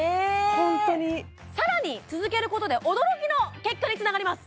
ホントにさらに続けることで驚きの結果につながります